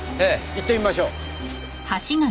行ってみましょう。